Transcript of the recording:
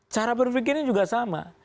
cara berpikirnya juga sama